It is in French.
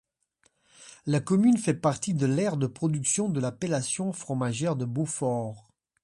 La commune fait partie de l'aire de production de l'appellation fromagère de Beaufort.